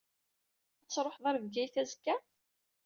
Ad tṛuḥeḍ ɣer Bgayet azekka?